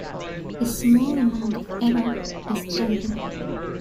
A small amount of error is tolerable.